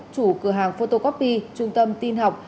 chủ cửa hàng photocopy trung tâm tin học